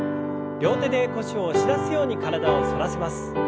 両手で腰を押し出すように体を反らせます。